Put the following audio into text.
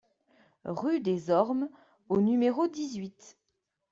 Rue des Ormes au numéro dix-huit